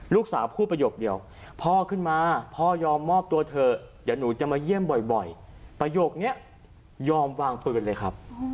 ลูกสาวพูดประโยคเดียวพ่อขึ้นมาพ่อยอมมอบตัวเถอะเดี๋ยวหนูจะมาเยี่ยมบ่อยประโยคนี้ยอมวางปืนเลยครับ